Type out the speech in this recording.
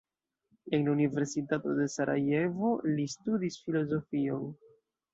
En la Universitato de Sarajevo li studis filozofion.